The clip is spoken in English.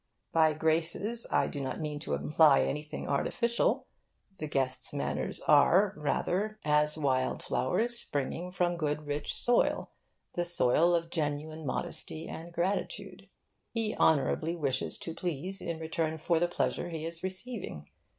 By 'graces' I do not mean to imply anything artificial. The guest's manners are, rather, as wild flowers springing from good rich soil the soil of genuine modesty and gratitude. He honourably wishes to please in return for the pleasure he is receiving.